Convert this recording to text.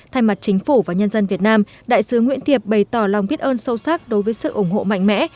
thay mặt chính phủ và nhân dân việt nam đại sứ nguyễn thiệp bày tỏ lòng biết ơn sâu sắc đối với sự ủng hộ mạnh mẽ